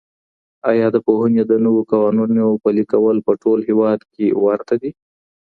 آیا د پوهنې د نویو قوانینو پلي کول په ټول هیواد کي ورته دي؟